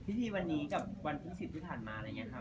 พี่ทีวันนี้กับวันที่สิบที่ผ่านมาแล้วไงค่ะ